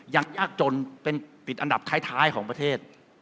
ยักษ์ยักษ์จนเป็นผิดอันดับท้ายของประเทศ